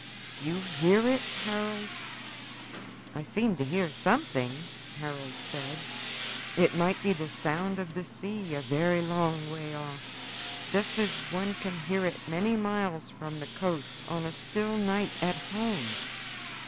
Do you hear it, Harold?" "I seem to hear something," Harold said. "It might be the sound of the sea a very long way off, just as one can hear it many miles from the coast, on a still night at home.